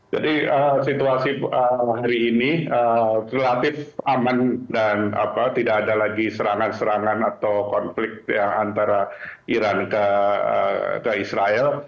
jadi situasi hari ini relatif aman dan tidak ada lagi serangan serangan atau konflik antara iran ke israel